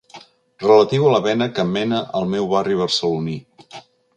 Relatiu a la vena que mena al meu barri barceloní.